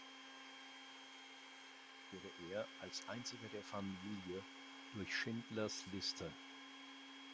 Gerettet wurde er, als einziger der Familie, durch Schindlers Liste.